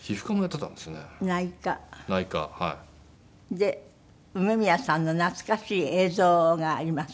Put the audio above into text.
で梅宮さんの懐かしい映像があります。